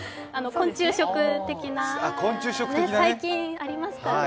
昆虫食的な、最近ありますからね。